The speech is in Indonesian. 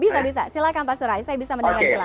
bisa bisa silakan pak surai saya bisa mendengar jelas